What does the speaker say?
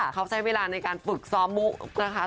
เขาใช้เวลาในการฝึกซ้อมมุกนะคะ